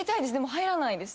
でも入らない。